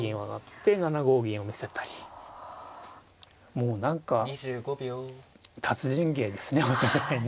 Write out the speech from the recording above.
もう何か達人芸ですねお互いね。